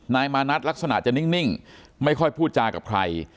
นายมานัดลักษณะจะนิ่งไม่ค่อยพูดจากับใคร